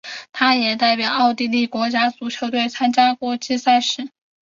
他也代表奥地利国家足球队参加国际赛事。